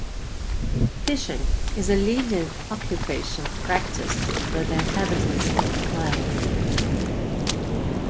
Fishing is a leading occupation practiced by the inhabitants of the island.